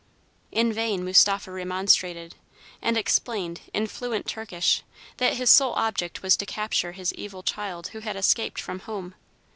In vain Mustapha remonstrated, and explained, in fluent Turkish, that his sole object was to capture his evil child, who had escaped from home.